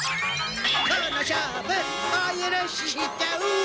この勝負お許ししちゃう！